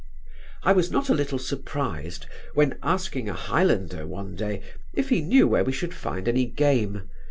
I was not a little surprised, when asking a Highlander one day, if he knew where we should find any game?